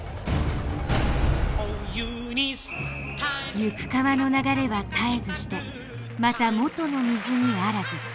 行く川の流れは絶えずしてまた元の水にあらず。